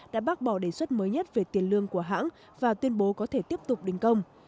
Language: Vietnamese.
đã bác bỏ đề xuất mới nhất về tiền lương của hãng và tuyên bố có thể tiếp tục đình công